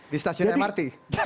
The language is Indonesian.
di stasiun mrt